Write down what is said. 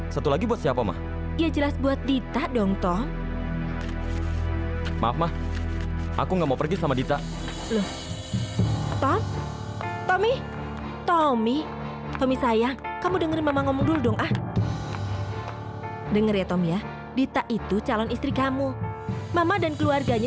sampai jumpa di video selanjutnya